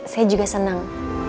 saya juga seneng